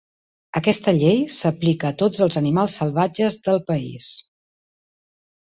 Aquesta llei s'aplica a tots els "animals salvatges" del país.